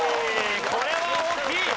これは大きい！